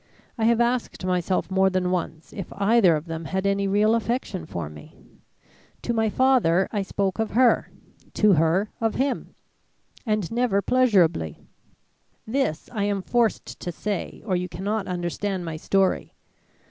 I have asked myself more than once if either of them had any real affection for me. To my father I spoke of her; to her of him; and never pleasurably. This I am forced to say, or you cannot understand my story.